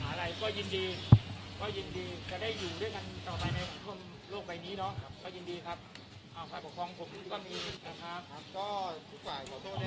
อะไรก็ยินดีเดี๋ยวจะได้อยู่ด้วยกันต่อไปใน